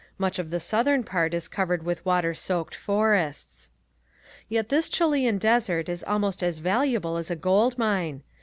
Much of the southern part is covered with water soaked forests. Yet this Chilean desert is almost as valuable as a gold mine.